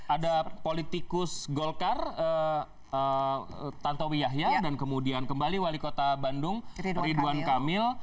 ada politikus golkar tantowi yahya dan kemudian kembali wali kota bandung ridwan kamil